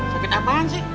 sakit apaan sih